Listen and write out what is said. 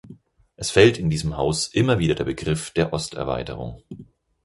Es fällt in diesem Haus immer wieder der Begriff der Osterweiterung.